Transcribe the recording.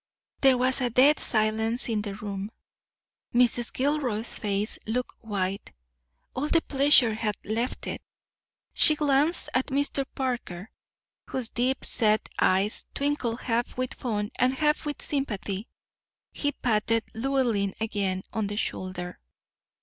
There was a dead silence in the room. Mrs. Gilroy's face looked white; all the pleasure had left it. She glanced at Parker, whose deep set eyes twinkled half with fun and half with sympathy. He patted Llewellyn again on the shoulder.